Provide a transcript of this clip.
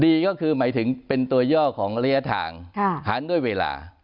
ดีก็คือหมายถึงเป็นตัวย่อของระยะทางหารด้วยเวลา